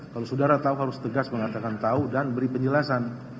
kalau saudara tahu harus tegas mengatakan tahu dan beri penjelasan